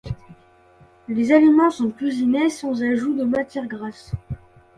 Les aliments sont cuisinés sans ajout de matières grasses.